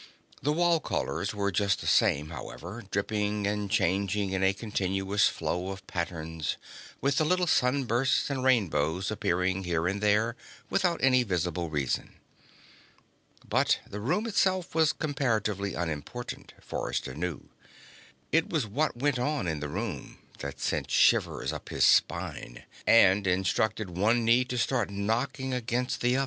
The wall colors were just the same, however, dripping and changing in a continuous flow of patterns, with the little sunbursts and rainbows appearing here and there without any visible reason. But the room itself was comparatively unimportant, Forrester knew. It was what went on in the room that sent shivers up his spine, and instructed one knee to start knocking against other one.